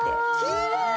きれい！